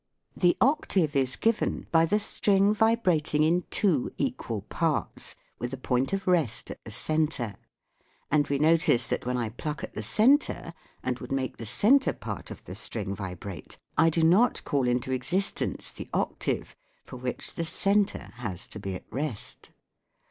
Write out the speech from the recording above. The octave is given by the string vibrating in two SOUNDS OF THE SEA 145 equal parts, with a point of rest at the centre ; and we notice that when I pluck at the centre, and would make the centre part of the string vibrate, I do not call into existence the octave, for which the centre hastobeat rest.